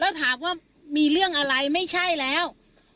แล้วถามว่ามีเรื่องอะไรไม่ใช่แล้ว